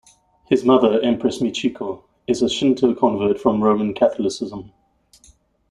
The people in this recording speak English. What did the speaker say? His mother, Empress Michiko, is a Shinto convert from Roman Catholicism.